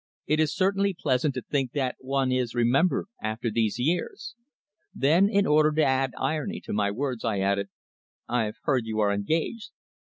"It is certainly pleasant to think that one is remembered after these years." Then, in order to add irony to my words, I added: "I've heard you are engaged."